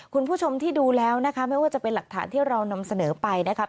คุณผู้ชมที่ดูแล้วนะคะไม่ว่าจะเป็นหลักฐานที่เรานำเสนอไปนะคะ